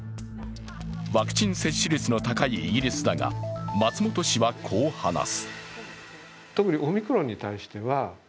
ワクチン接種率の高いイギリスだが、松本氏はこう話す。